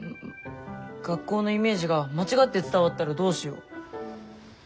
学校のイメージが間違って伝わったらどうしよう。